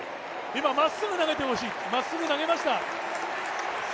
今、まっすぐ投げてほしい、まっすぐ投げました。